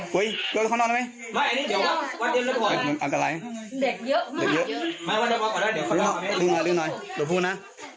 เป็นงูใหญ่จริง